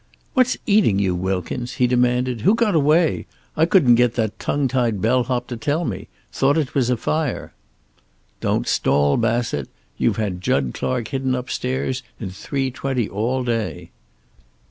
"What's eating you, Wilkins?" he demanded. "Who got away? I couldn't get that tongue tied bell hop to tell me. Thought it was a fire." "Don't stall, Bassett. You've had Jud Clark hidden upstairs in three twenty all day."